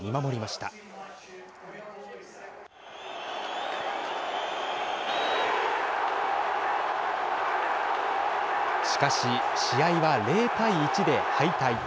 しかし、試合は０対１で敗退。